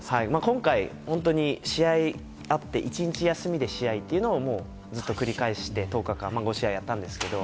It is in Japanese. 今回、本当に試合あって１日休みで試合というのをずっと繰り返して１０日間５試合やったんですけど。